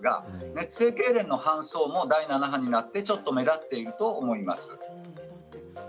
熱性けいれんの搬送も第７波になってちょっと目立っていると思います。